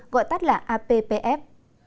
gọi tắt là appf